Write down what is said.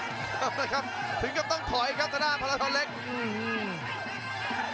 เอาละครับถึงก็ต้องถอยครับทะดานพลาดอลเล็ก